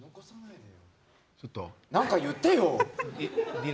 何か言ってよ。